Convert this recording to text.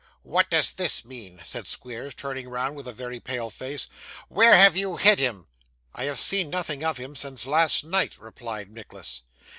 'What does this mean?' said Squeers, turning round with a very pale face. 'Where have you hid him?' 'I have seen nothing of him since last night,' replied Nicholas.